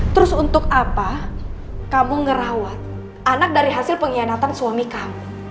terus untuk apa kamu ngerawat anak dari hasil pengkhianatan suami kamu